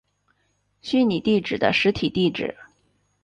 虚拟地址的实体地址。